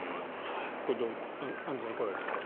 これ、アンジュさんいかがですか？